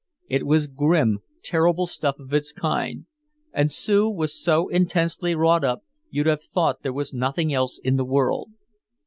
It was grim, terrible stuff of its kind, and Sue was so intensely wrought up you'd have thought there was nothing else in the world.